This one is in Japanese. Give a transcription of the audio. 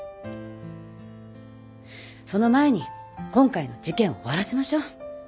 その前に今回の事件を終わらせましょう。